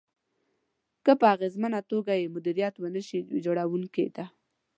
که په اغېزمنه توګه يې مديريت ونشي، ويجاړونکې ده.